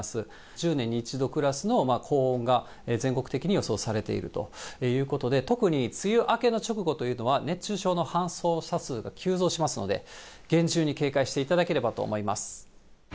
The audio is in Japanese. １０年に１度クラスの高温が全国的に予想されているということで、特に梅雨明けの直後というのは、熱中症の搬送者数が急増しますので、厳重に警戒していただければと思います。